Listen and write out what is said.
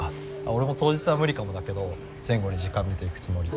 俺も当日は無理かもだけど前後に時間見て行くつもり。